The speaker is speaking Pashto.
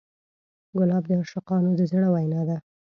ګلاب د عاشقانو د زړه وینا ده.